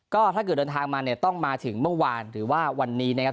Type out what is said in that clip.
ก็ถ้าเกิดเดินทางมาเนี่ยต้องมาถึงเมื่อวานหรือว่าวันนี้นะครับ